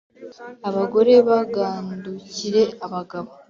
Abagore bagandukire abagabo